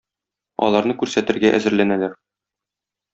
Аларны күрсәтергә әзерләнәләр.